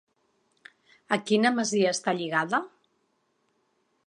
A quina masia està lligada?